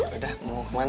udah mau kemana